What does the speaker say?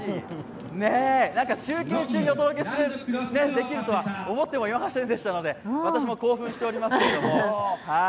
中継中にお届けできるとは思ってもいませんでしたので私も興奮しておりますけれども。